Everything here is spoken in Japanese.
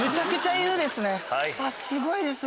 すごいです！